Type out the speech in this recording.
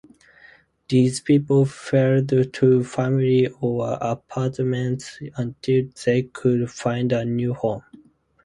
These people fled to family or apartments, until they could find a new home.